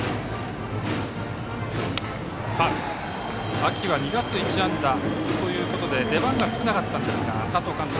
秋は２打数１安打ということで出番が少なかったんですが佐藤監督